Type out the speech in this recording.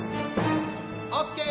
オッケー！